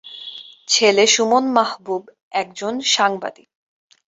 ছেলে সুমন মাহবুব একজন সাংবাদিক।